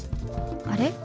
あれ？